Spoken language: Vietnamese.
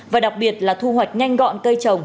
và đặc biệt là thu hoạch nhanh gọn cây trồng